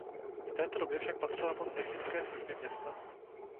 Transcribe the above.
V té době však patřila pod Technické služby města.